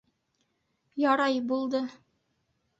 Ярай, булды.